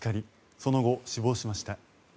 その後、死亡しました。